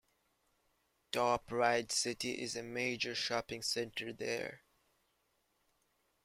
Top Ryde City is a major shopping centre there.